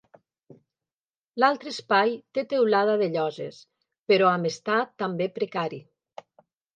L'altre espai té teulada de lloses, però amb estat també precari.